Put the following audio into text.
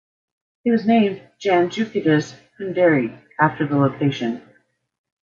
It was named "Janjucetus hunderi", after the location.